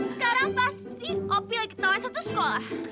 sekarang pasti opie lagi ketauan satu sekolah